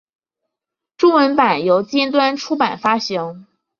中文版由尖端出版发行。